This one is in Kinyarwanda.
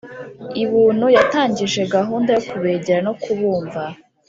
ibuntu Yatangije gahunda yo kubegera no kubumva